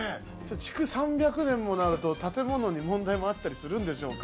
築３００年もなると、建物にも問題あったりするんでしょうか？